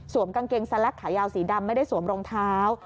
กางเกงสแลกขายาวสีดำไม่ได้สวมรองเท้า